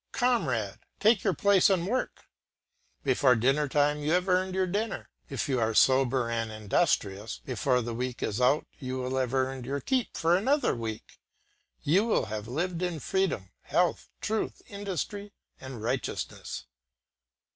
"Comrade, take your place and work." Before dinner time you have earned your dinner. If you are sober and industrious, before the week is out you will have earned your keep for another week; you will have lived in freedom, health, truth, industry, and righteousness.